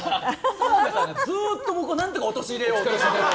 澤部さんがずっと僕を何とか陥れようと。